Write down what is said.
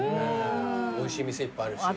おいしい店いっぱいあるし。